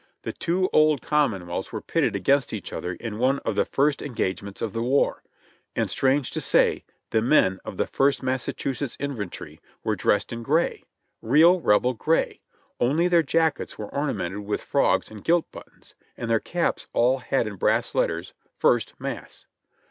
The two old Commonwealths were pitted against each other in one of the first engagements of the war ; and strange to say the men of the First Massachusetts Infantry were dressed in gray — real rebel gray, only their jackets were ornamented with frogs and gilt buttons, and their caps all had in brass letters, "ist Mass."